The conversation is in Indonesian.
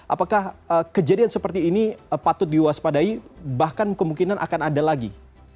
apakah kejadian seperti ini patut diwaspadai bahkan kemungkinan akan ada lagi